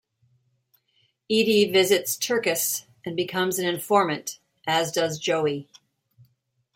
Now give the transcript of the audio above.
Eadie visits Turkus and becomes an informant, as does Joey.